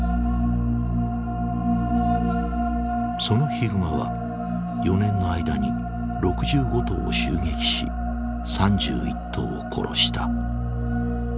そのヒグマは４年の間に６５頭を襲撃し３１頭を殺した。